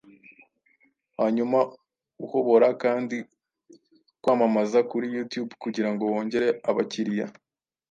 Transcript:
Hanyuma, uhobora kandi kwamamaza kuri YuTube kugirango wongere abakiriya